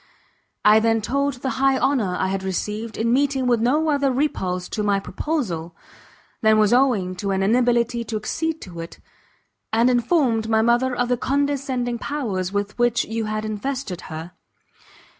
I then told the high honour I had received, in meeting with no other repulse to my proposal, than was owing to an inability to accede to it; and informed my mother of the condescending powers with which you had invested her.